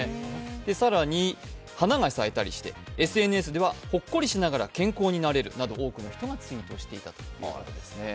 更に、花が咲いたりして、ＳＮＳではほっこりしながら健康になれるなど多くの人がツイートしていたということです。